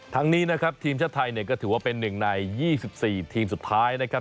นี้นะครับทีมชาติไทยเนี่ยก็ถือว่าเป็นหนึ่งใน๒๔ทีมสุดท้ายนะครับ